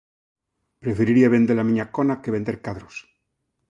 Preferiría vender a miña cona que vender cadros.